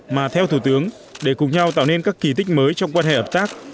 mà theo thủ tướng để cùng nhau tạo nên các kỳ tích mới trong quan hệ hợp tác